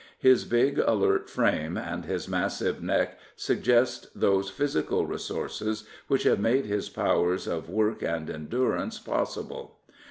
His big, alert frame and his massive neck suggest those physical resources which have made his powers of work and endurance possible.